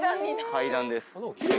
階段です。